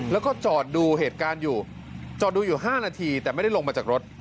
แล้วก็จอดดูเหตุการณ์อยู่จอดดูอยู่๕นาทีแต่ไม่ได้ลงมาจากรถ